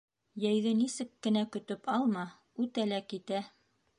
Йәйҙе нисек кенә көтөп алма, үтә лә китә.